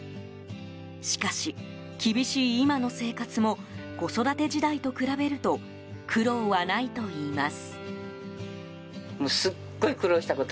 しかし、厳しい今の生活も子育て時代と比べると苦労はないといいます。